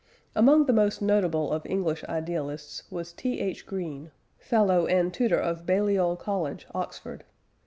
Among the most notable of English idealists was T. H. Green fellow and tutor of Balliol College, Oxford.